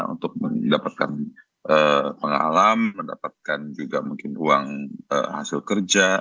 untuk mendapatkan pengalaman mendapatkan juga mungkin ruang hasil kerja